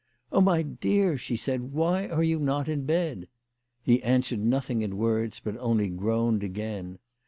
" Oh, my dear," she said, " why are you not in bed ?" He answered nothing in words, but only groaned again.